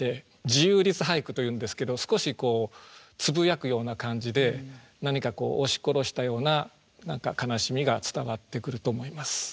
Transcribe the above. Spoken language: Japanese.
自由律俳句というんですけど少しつぶやくような感じで何か押し殺したような悲しみが伝わってくると思います。